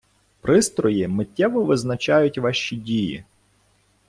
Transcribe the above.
Пристрої миттєво визначають ваші дії.